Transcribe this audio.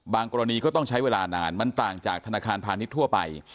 กรณีก็ต้องใช้เวลานานมันต่างจากธนาคารพาณิชย์ทั่วไป